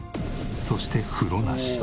そして風呂なし。